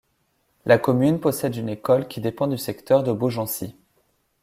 La commune possède une école qui dépend du secteur de Beaugency.